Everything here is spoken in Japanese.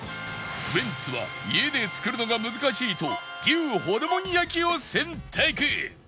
ウエンツは家で作るのが難しいと牛ホルモン焼を選択